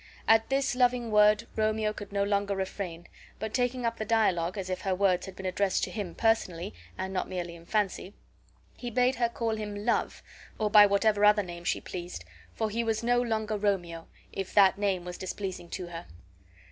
At this loving word Romeo could no longer refrain, but, taking up the dialogue as if her words had been addressed to him personally, and not merely in fancy, he bade her call him Love, or by whatever other name she pleased, for he was no longer Romeo, if that name was displeasing to her.